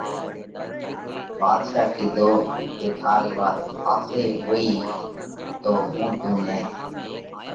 ڀاڌشا ڪِيڌو: جي ٿارئي وات ۿاسئِي هوئِي تو هُون تُون نئہ،